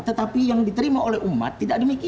tetapi yang diterima oleh umat tidak demikian